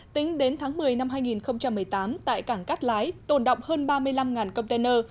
tính đến tháng một mươi năm hai nghìn một mươi tám tại cảng cát lái tồn động hơn ba mươi năm container